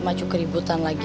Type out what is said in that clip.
macu keributan lagi